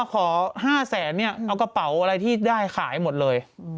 ขอ๕แสนเนี่ยเอากระเป๋าอะไรที่ได้ขายหมดเลย